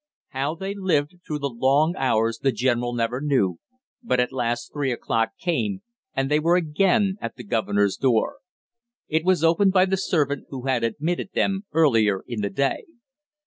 How they lived through the long hours the general never knew, but at last three o'clock came and they were again at the governor's door. It was opened by the servant who had admitted them earlier in the day.